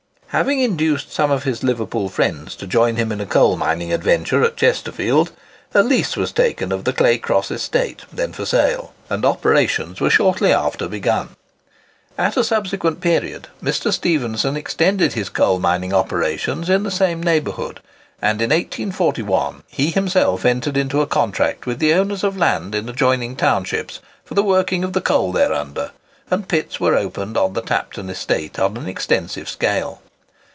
Having induced some of his Liverpool friends to join him in a coal mining adventure at Chesterfield, a lease was taken of the Claycross estate, then for sale, and operations were shortly after begun. At a subsequent period Mr. Stephenson extended his coal mining operations in the same neighbourhood; and in 1841 he himself entered into a contract with owners of land in adjoining townships for the working of the coal thereunder; and pits were opened on the Tapton estate on an extensive scale.